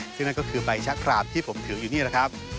ซึ่งนั่นก็คือใบชะคราบที่ผมถืออยู่นี่แหละครับ